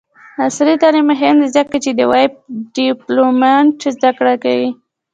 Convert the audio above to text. عصري تعلیم مهم دی ځکه چې د ویب ډیولپمنټ زدکړه کوي.